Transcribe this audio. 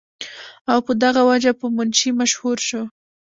او پۀ دغه وجه پۀ منشي مشهور شو ۔